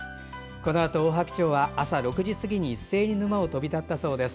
このあと、オオハクチョウは朝６時過ぎに一斉に沼を飛び立ったそうです。